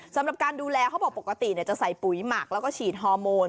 สำหรับการดูแลเขาบอกปกติจะใส่ปุ๋ยหมักแล้วก็ฉีดฮอร์โมน